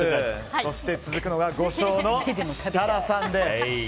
そして続くのが５勝の設楽さん。